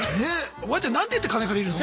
おばあちゃん何て言って金借りるの？